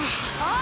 あ！